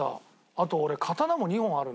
あと俺。